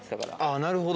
なるほど。